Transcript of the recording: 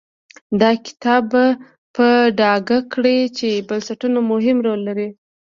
دا کتاب به په ډاګه کړي چې بنسټونه مهم رول لري.